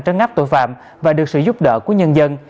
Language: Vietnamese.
trấn áp tội phạm và được sự giúp đỡ của nhân dân